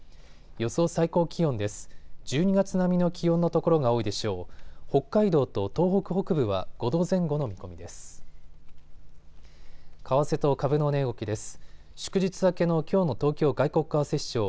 予想最高気温です。